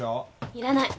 要らない。